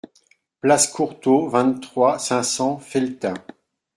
Place Courtaud, vingt-trois, cinq cents Felletin